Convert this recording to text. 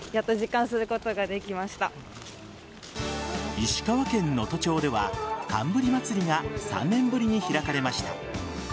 石川県能登町では寒ぶりまつりが３年ぶりに開かれました。